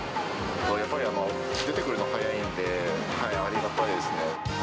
やっぱり出てくるの早いので、ありがたいですね。